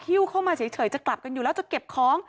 เข้ามาเฉยจะกลับกันอยู่แล้วจะเก็บของ